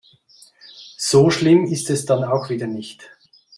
So schlimm ist es dann auch wieder nicht.